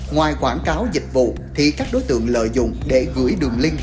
ngoài quảng cáo dịch vụ thì các đối tượng lợi dụng để gửi đường link